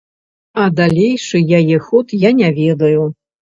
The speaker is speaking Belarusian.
А далейшы яе ход я не ведаю.